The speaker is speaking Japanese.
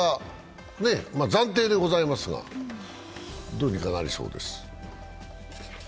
暫定でございますが、どうにかなりそうです。